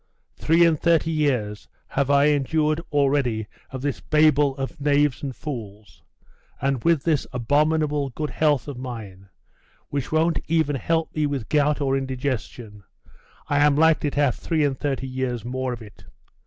Three and thirty years have I endured already of this Babel of knaves and fools; and with this abominable good health of mine, which won't even help me with gout or indigestion, I am likely to have three and thirty years more of it....